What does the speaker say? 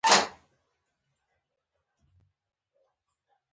واک واخلي.